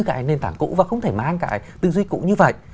cái nền tảng cũ và không thể mang cái tư duy cũ như vậy